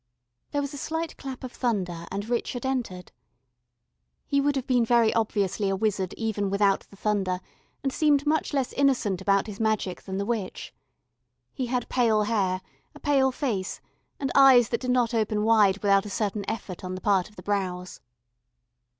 There was a slight clap of thunder and Richard entered. He would have been very obviously a wizard even without the thunder, and seemed much less innocent about his magic than the witch. He had pale hair, a pale face, and eyes that did not open wide without a certain effort on the part of the brows.